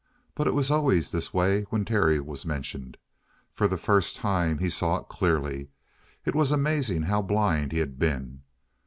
But it was always this way when Terry was mentioned. For the first time he saw it clearly. It was amazing how blind he had been.